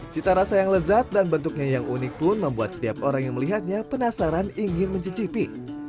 cita rasa yang lezat dan bentuknya yang unik pun membuat setiap orang yang melihatnya penasaran ingin mencicipi